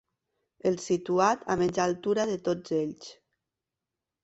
El situat a menys altura de tots ells.